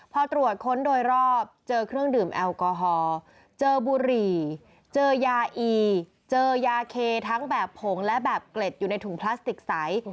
พอตรวจค้นโดยรอบเจอเครื่องดื่มแอลกอฮอล์เจอบุหรี่เจอยาอีเจอยาเคทั้งแบบผงและแบบเกล็ดอยู่ในถุงพลาสติกใส